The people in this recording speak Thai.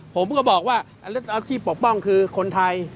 ผมก็บอกว่าอาชีพปกป้องคือคนไทย